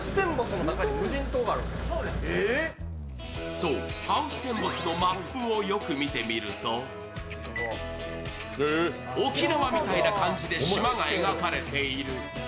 そう、ハウステンボスのマップをよく見てみると沖縄みたいな感じで島が描かれている。